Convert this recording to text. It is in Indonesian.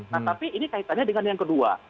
nah tapi ini kaitannya dengan yang kedua